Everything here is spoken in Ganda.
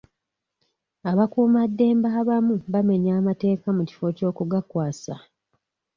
Abakuumaddembe abamu bamenya matteeka mu kifo ky'okugakwasa